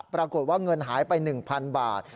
ปรากฏว่าเงินหายไป๑๐๐๐บาท